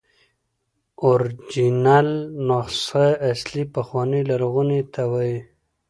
اوریجنل نسخه اصلي، پخوانۍ، لرغوني ته وایي.